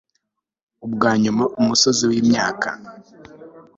Ubwanyuma umusozi wimyaka